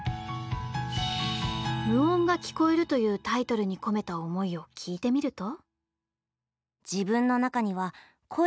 「無音が聴こえる」というタイトルに込めた思いを聞いてみると。